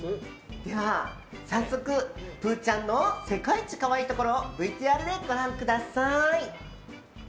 では、早速プーちゃんの世界一かわいいところをＶＴＲでご覧ください。